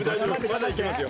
まだいけますよ。